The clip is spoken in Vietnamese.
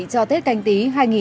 cho tết canh tí hai nghìn hai mươi